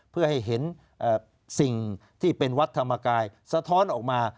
เพื่อให้เห็นสิ่งที่เป็นวัดธรรมกายสะท้อนออกมา